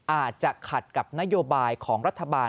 อาจจะขัดกับนโยบายของรัฐบาล